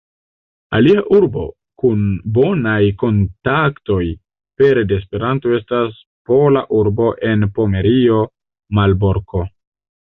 Alia urbo kun bonaj kontaktoj pere de Esperanto estas pola urbo en Pomerio Malborko.